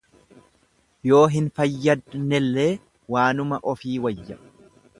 Yoo hin fayyadnellee waanuma ofií wayya.